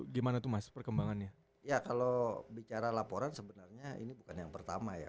gimana tuh mas perkembangannya ya kalau bicara laporan sebenarnya ini bukan yang pertama ya